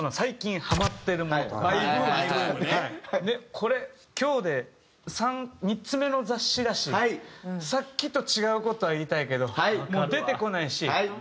これ今日で３つ目の雑誌だしさっきと違う事は言いたいけどもう出てこないし。